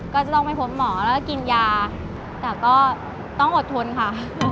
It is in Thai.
ก็จะต้องไปพบหมอแล้วก็กินยาแต่ก็ต้องอดทนค่ะ